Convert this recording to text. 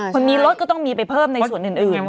คนมีรถก็ต้องมีไปเพิ่มในส่วนอื่น